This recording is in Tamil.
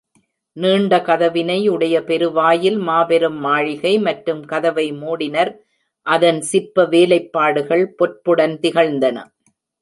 நீண்ட கதவினை உடைய பெருவாயில் மாபெரும் மாளிகை, மற்றும் கதவை மூடினர் அதன் சிற்ப வேலைப்பாடுகள் பொற்புடன் திகழ்ந்தன.